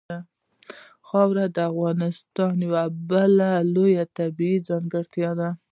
خاوره د افغانستان یوه بله لویه طبیعي ځانګړتیا ده.